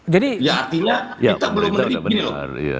jadi ya artinya kita belum menerima